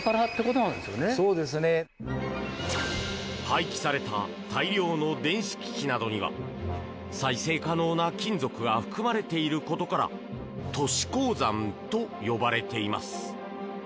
廃棄された大量の電子機器などには再生可能な金属が含まれていることから都市鉱山と呼ばれています。